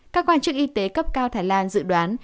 các quan chức y tế cấp cao thái lan dự đoán